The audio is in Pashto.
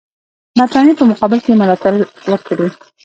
برټانیې په مقابل کې یې ملاتړ وکړي.